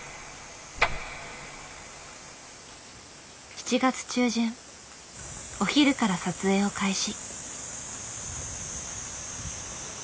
７月中旬お昼から撮影を開始。